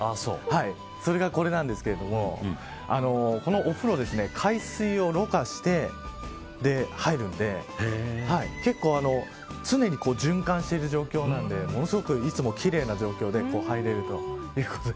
それがこれなんですけどこのお風呂、海水をろ過して入るんで結構常に循環している状況なのでものすごく、いつも奇麗な状況で入れるということです。